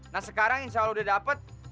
nah sekarang insya allah udah dapet